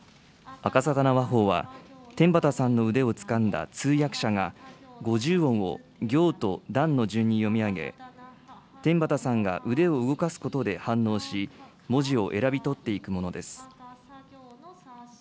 あかさたな話法は、天畠さんの腕をつかんだ通訳者が５０音を行と段の順に読み上げ、天畠さんが腕を動かすことで反応し、文字を選び取っていくものです。